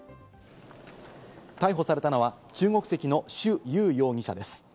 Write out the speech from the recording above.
逮捕されたのは中国籍のシュ・ユウ容疑者です。